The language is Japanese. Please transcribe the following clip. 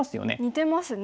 似てますね。